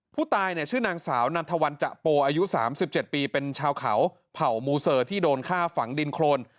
ผู้ตายเนี่ยชื่อนางสาวนันทวันจะโปอายุ๓๗ปีเป็นชาวเขาเผ่ามูเซอร์ที่โดนฆ่าฝังดินโครน